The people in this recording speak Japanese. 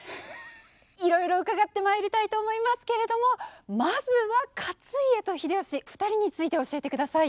いろいろ伺ってまいりたいと思いますけれどもまずは勝家と秀吉２人について教えてください。